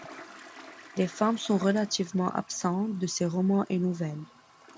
Les femmes sont relativement absentes de ses romans et nouvelles.